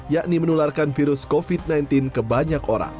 yakni menularkan virus covid sembilan belas ke banyak orang